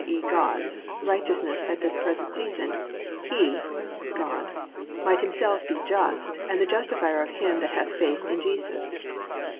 e., God's) +righteousness at this present season: that he+ (i.e., God) +might himself be just, and the justifier of him that hath faith in Jesus."